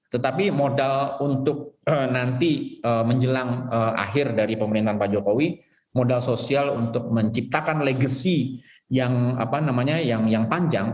tetapi modal untuk nanti menjelang akhir dari pemerintahan pak jokowi modal sosial untuk menciptakan legacy yang panjang